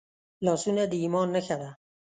لاسونه د ایمان نښه ده